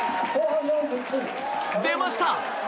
出ました！